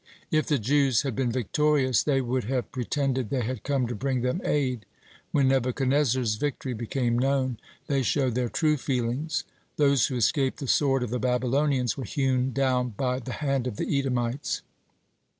If the Jews had been victorious, they would have pretended they had come to bring them aid. When Nebuchadnezzar's victory became known, they showed their true feelings. Those who escaped the sword of the Babylonians, were hewn down by the hand of the Edomites.